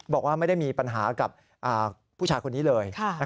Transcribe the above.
บอกว่าไม่ได้มีปัญหากับผู้ชายคนนี้เลย